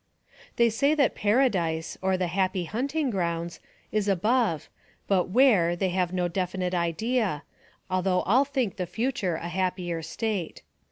They say that paradise, or the happy huntingr grounds, is above, but where, they have no definite idea, though all think the future a happier state.